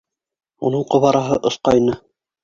Уның ҡобараһы осҡайны.